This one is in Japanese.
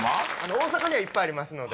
大阪にはいっぱいありますので。